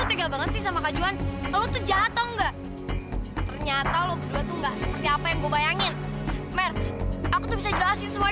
enggak aku gak bisa terima